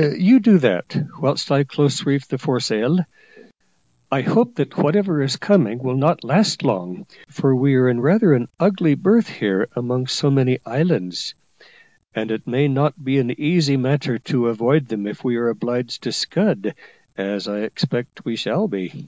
You do that, whilst I close reef the foresail. I hope that whatever is coming will not last long; for we are in rather an ugly berth here among so many islands, and it may not be an easy matter to avoid them if we are obliged to scud, as I expect we shall be."